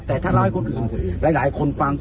แต่ถ้าเล่าให้คนอื่นหลายคนฟัง